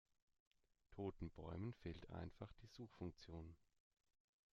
Toten Bäumen fehlt einfach die Suchfunktion.